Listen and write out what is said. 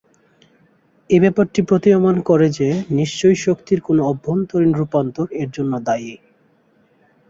এ ব্যাপারটি প্রতীয়মান করে যে নিশ্চয়ই শক্তির কোনো অভ্যন্তরীণ রূপান্তর এর জন্য দায়ী।